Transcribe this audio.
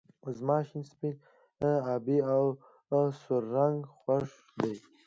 زما شين سپين آبی او سور رنګ خوښ دي